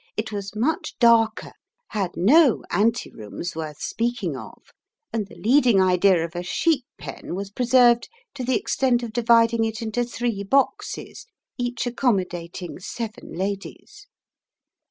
It was much darker, had no ante rooms worth speaking of, and the leading idea of a sheep pen was preserved to the extent of dividing it into three boxes, each accommodating seven ladies.